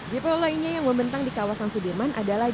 jpo lainnya yang membentang di kawasan sudirman adalah